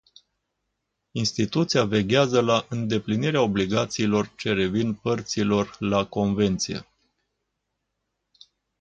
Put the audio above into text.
Instituția veghează la îndeplinirea obligațiilor ce revin părților la convenție.